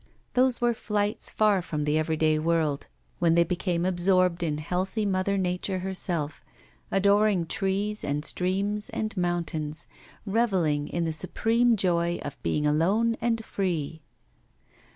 Those were flights far from the everyday world, when they became absorbed in healthy mother Nature herself, adoring trees and streams and mountains; revelling in the supreme joy of being alone and free.